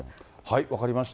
分かりました。